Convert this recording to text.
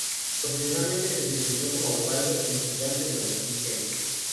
Profesionalmente se desempeñó como abogado litigante durante quince años.